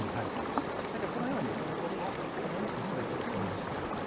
このように残りも全てすりおろしてください。